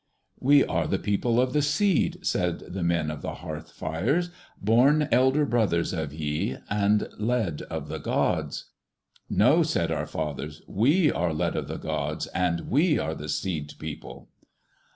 "We are the People of the Seed," said the men of the hearth fires, "born elder brothers of ye, and led of the gods." "No," said our fathers, "we are led of the gods and we are the Seed People..."